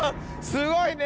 すごいね！